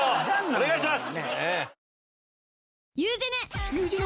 お願いします！